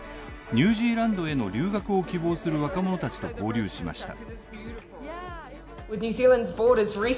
ニュージーランドへの留学を希望する若者たちと交流しました。